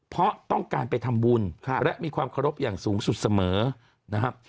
เพราะต้องการไปทำบุญและมีความเคารพอย่างสูงสุดเสมอนะครับ